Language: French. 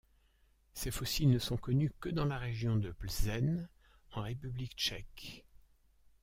Ses fossiles ne sont connus que dans la Région de Plzeň en République tchèque.